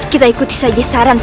kita ikuti saja saran pang eatingnya